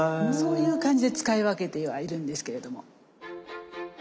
そういう感じで使い分けてはいるんですけれども。